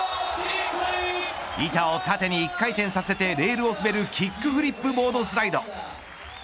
板を縦に１回転させてレールを滑るキックフリップボードスライド。